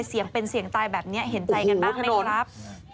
เสียงเป็นเสียงตายแบบนี้เห็นใจกันบ้างไหมครับ